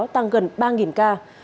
tăng gần ba ca